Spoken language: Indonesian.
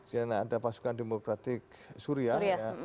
yang ada pasukan demokratik suriah